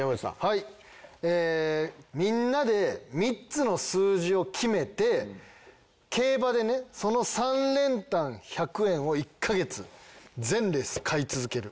えーみんなで３つの数字を決めて競馬でねその３連単１００円を１カ月全レース買い続ける。